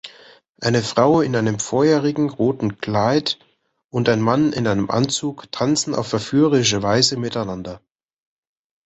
Eine Frau in einem feurigen roten Kleid und ein Mann in einem Anzug tanzen auf verführerische Weise miteinander.